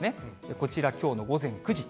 こちらきょうの午前９時。